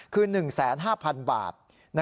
คือ๑๕๐๐๐บาท